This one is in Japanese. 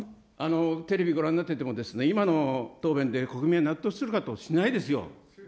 テレビご覧になっていても、今の答弁で、国民は納得するかと、しないですよ。